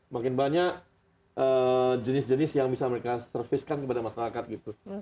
makin banyak jenis jenis yang bisa mereka service kan kepada masyarakat gitu